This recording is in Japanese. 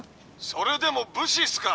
「それでも武士っすか？